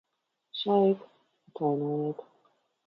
Sveika. Atvainojiet...